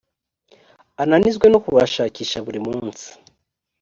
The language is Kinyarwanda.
ananizwe no kubashakisha buri munsi,